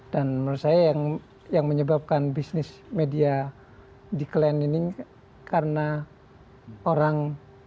dan menurut saya yang menyebabkan bisnis media di klan ini karena orang